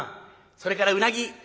それからうなぎ。